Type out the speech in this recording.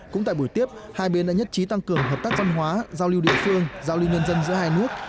cũng tại buổi tiếp hai bên đã nhất trí tăng cường hợp tác văn hóa giao lưu địa phương giao lưu nhân dân giữa hai nước